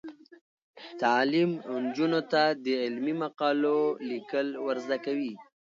تعلیم نجونو ته د علمي مقالو لیکل ور زده کوي.